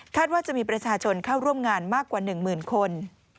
ว่าจะมีประชาชนเข้าร่วมงานมากกว่า๑หมื่นคน